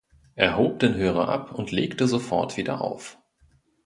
Er hob den Hörer ab, und legte sofort wieder auf.